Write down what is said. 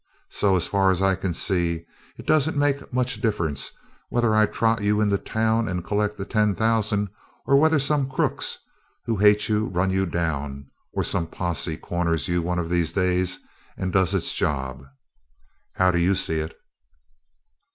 So, as far as I can see, it doesn't make much difference whether I trot you into town and collect the ten thousand, or whether some of the crooks who hate you run you down or some posse corners you one of these days and does its job. How do you see it?"